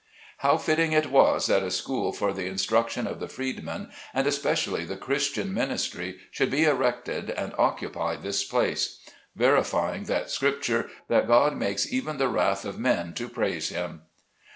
How fitting it was that a school for the instruction of the freedmen, and especially the Christian minis try, should be erected, and occupy this place; veri fying that scripture, that God makes even the wrath of men to praise him.